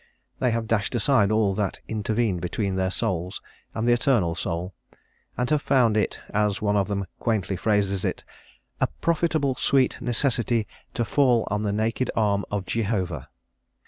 They have dashed aside all that intervened between their souls and the Eternal Soul, and have found it, as one of them quaintly phrases it, "a profitable sweet necessity to fall on the naked arm of Jehovah."